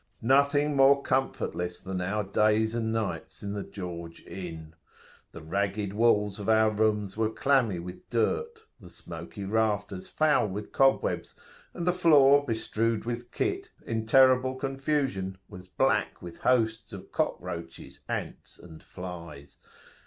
[p.173]Nothing more comfortless than our days and nights in the "George" Inn. The ragged walls of our rooms were clammy with dirt, the smoky rafters foul with cobwebs, and the floor, bestrewed with kit, in terrible confusion, was black with hosts of cockroaches, ants, and flies.